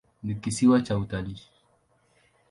Ni kisiwa cha utalii.